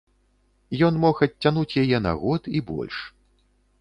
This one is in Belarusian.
Ён мог адцягнуць яе на год і больш.